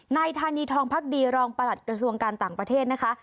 นายธานีทองพักดีรองประหลัดกระทรวงการต่างประเทศนะคะ